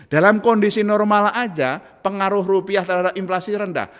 dalam kondisi normal saja pengaruh rupiah terhadap inflasi rendah